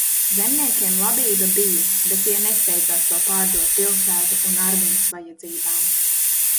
Zemniekiem labība bija, bet tie nesteidzās to pārdot pilsētu un armijas vajadzībām.